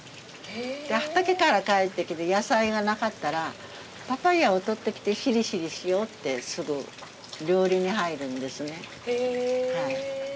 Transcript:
畑から帰ってきて野菜がなかったらパパイアをとってきてしりしりしようってすぐ料理に入るんですね。